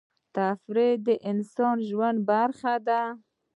تفریح د انسان د ژوند برخه ده.